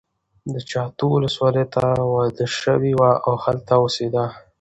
د جغتو ولسوالۍ ته واده شوې وه او هلته اوسېده.